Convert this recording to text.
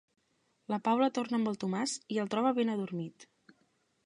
La Paula torna amb el Tomàs i el troba ben adormit.